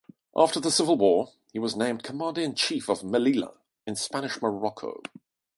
After the Civil War, he was named commander-in-chief of Melilla, in Spanish Morocco.